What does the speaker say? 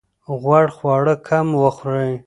غوړ خواړه کم وخورئ.